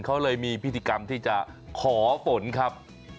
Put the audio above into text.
เขาเลยมีพิธีกรรมที่จะขอฝนครับ